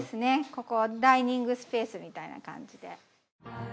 ここダイニングスペースみたいな感じで。